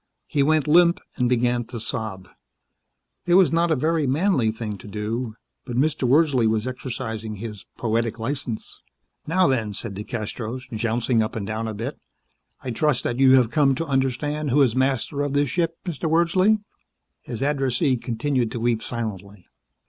He went limp and began to sob. It was not a very manly thing to do, but Mr. Wordsley was exercising his poetic license. "Now then," said DeCastros, jouncing up and down a bit. "I trust that you have come to understand who is master of this ship, Mr. Wordsley?" His addressee continued to weep silently.